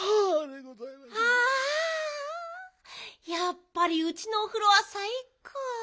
やっぱりうちのおふろはさいこう。